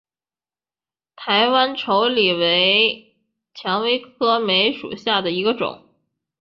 台湾稠李为蔷薇科梅属下的一个种。